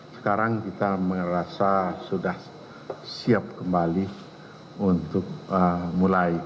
sekarang kita merasa sudah siap kembali untuk mulai